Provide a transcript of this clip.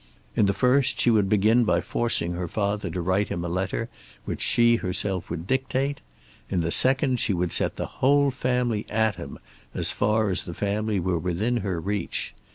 In the first she would begin by forcing her father to write to him a letter which she herself would dictate. In the second she would set the whole family at him as far as the family were within her reach.